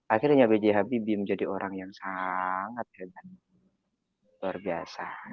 akhirnya bgh bibi menjadi orang yang sangat luar biasa